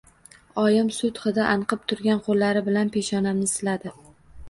Oyim sut hidi anqib turgan qo‘llari bilan peshonamni siladi.